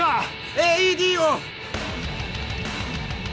ＡＥＤを！